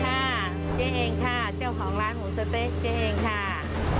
สวัสดีค่ะจ้ะเองค่ะเจ้าของร้านหมูสะเต๊ะจ้ะเองค่ะ